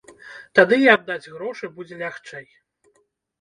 Тады і аддаць грошы будзе лягчэй.